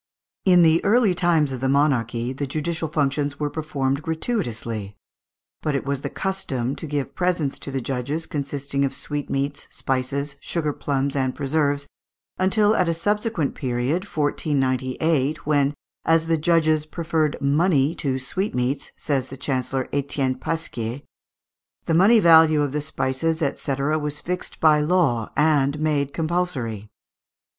In the early times of monarchy, the judicial functions were performed gratuitously; but it was the custom to give presents to the judges, consisting of sweetmeats, spices, sugar plums, and preserves, until at a subsequent period, 1498, when, as the judges "preferred money to sweetmeats," says the Chancellor Etienne Pasquier, the money value of the spices, &c., was fixed by law and made compulsory.